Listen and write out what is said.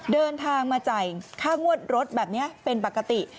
เดินทางมาจ่ายค่างวดรถแบบนี้เป็นปกติ